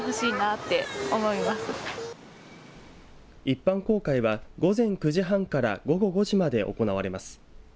一般公開は午前９時半から午後５時まで行われます。